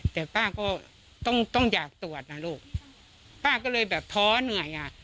แต่ป้าก็ต้องต้องอยากตรวจนะลูกป้าก็เลยแบบท้อเหนื่อยอ่ะ